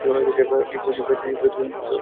চিঠি পৌঁছিতে বিশ দিনের অধিক সময় লাগিবে।